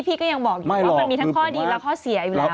พี่ก็ยังบอกอยู่ว่ามันมีทั้งข้อดีและข้อเสียอยู่แล้ว